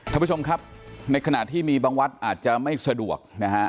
ท่านผู้ชมครับในขณะที่มีบางวัดอาจจะไม่สะดวกนะฮะ